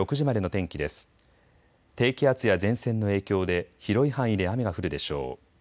低気圧や前線の影響で広い範囲で雨が降るでしょう。